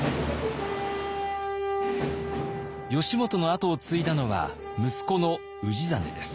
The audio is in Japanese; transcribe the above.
義元の後を継いだのは息子の氏真です。